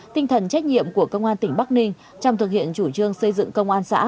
tinh thần trách nhiệm của công an tỉnh bắc ninh trong thực hiện chủ trương xây dựng công an xã